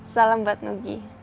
salam mbak nugi